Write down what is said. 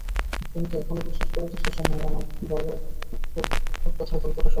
তুমি কি এখনও বিশ্বাস করো যে, সেসময়ে আমার বলো রূপকথার গল্পটা সত্য?